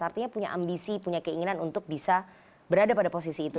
artinya punya ambisi punya keinginan untuk bisa berada pada posisi itu